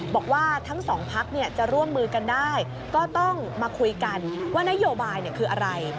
บอกว่าทั้งสองพักจะร่วมมือกันได้ก็ต้องมาคุยกันว่านโยบายคืออะไร